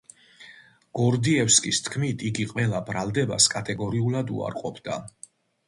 გორდიევსკის თქმით, იგი ყველა ბრალდებას კატეგორიულად უარყოფდა.